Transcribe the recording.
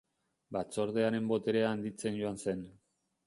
Batzordearen boterea handitzen joan zen.